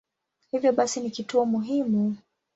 Hivyo basi ni kituo muhimu.